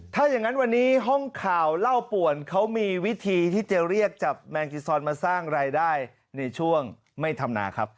ถ้าอย่างนั้นวันนี้ห้องข่าวเหล้าป่วนเขามีวิธีที่จะเรียกจับแมงจีซอนมาสร้างรายได้ในช่วงไม่ทำนาครับ